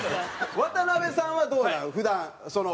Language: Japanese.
渡辺さんはどうなの？